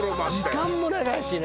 時間も長いしね。